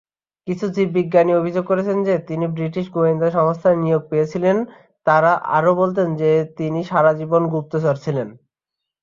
কিছু জীববিজ্ঞানী অভিযোগ করেছেন যে এখানে তিনি ব্রিটিশ গোয়েন্দা সংস্থায় নিয়োগ পেয়েছিলেন, তারা আরও বলতেন যে তিনি সারাজীবন গুপ্তচর ছিলেন।